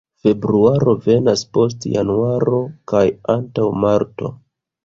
Februaro venas post januaro kaj antaŭ marto.